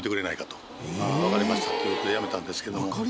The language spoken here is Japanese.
はい、分かりましたということで辞めたんですけど。